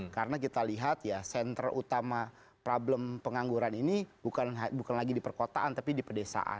karena kita lihat ya sentral utama problem pengangguran ini bukan lagi di perkotaan tapi di pedesaan